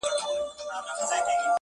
چې ګلچین راباندې سیل د ګلو بند کړو